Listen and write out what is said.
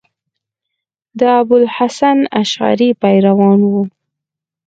د ابو الحسن اشعري پیروان وو.